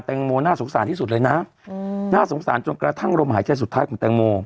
งโมน่าสงสารที่สุดเลยนะน่าสงสารจนกระทั่งลมหายใจสุดท้ายของแตงโม